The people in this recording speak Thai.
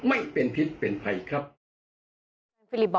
อ๋ออาจารย์ฟิลิป